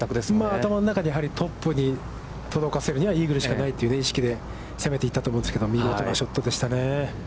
頭の中でトップに届かせるにはイーグルしかないという意識で攻めていったと思うんですけど、見事なショットでしたね。